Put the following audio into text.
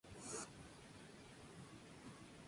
El premio final.